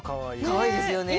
かわいいですよね。